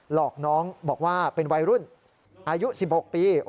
หลอกน้องบอกว่าเป็นวัยรุ่นอายุ๑๖ปี